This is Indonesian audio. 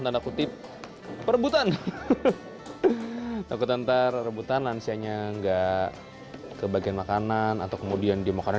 tanda kutip perebutan takut antar rebutan lansianya nggak kebagian makanan atau kemudian di makanan